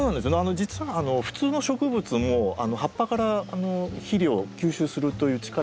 実は普通の植物も葉っぱから肥料を吸収するという力がありまして。